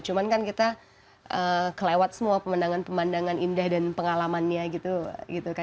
cuman kan kita kelewat semua pemandangan pemandangan indah dan pengalamannya gitu kan